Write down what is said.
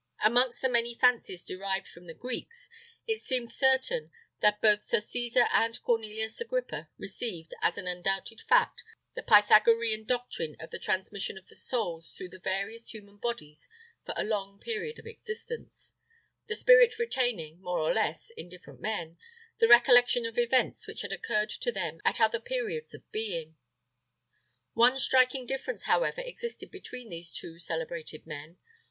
Amongst many fancies derived from the Greeks, it seems certain that both Sir Cesar and Cornelius Agrippa received, as an undoubted fact, the Pythagorean doctrine of the transmission of the souls through the various human bodies for a long period of existence: the spirit retaining, more or less, in different men, the recollection of events which had occurred to them at other periods of being. One striking difference, however, existed between these two celebrated men.